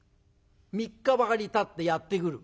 ３日ばかりたってやって来る。